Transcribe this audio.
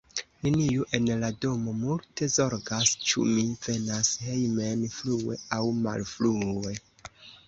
Neniu en la domo multe zorgas, ĉu mi venas hejmen frue aŭ malfrue.